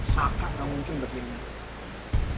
saka gak mungkin berkhianat